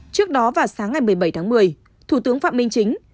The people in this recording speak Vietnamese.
trước đó vào sáng ngày một mươi bảy tháng một mươi thủ tướng phạm minh chính